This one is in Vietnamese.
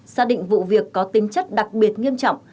xác định vụ việc có tính chất đặc biệt nghiêm trọng